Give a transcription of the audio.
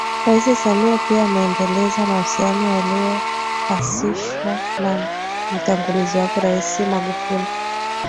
Rais Samia pia ameendeleza mahusiano yaliayoasisiwa na mtangulizi wake Rais Magufuli